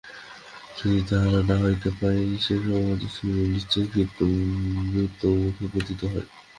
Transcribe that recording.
যদি তাহা না হইতে পায়, সে সমাজ-শরীর নিশ্চয়ই ক্ষিপ্র মৃত্যুমুখে পতিত হয়।